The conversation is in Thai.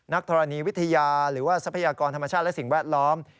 ธรณีวิทยาหรือว่าทรัพยากรธรรมชาติและสิ่งแวดล้อม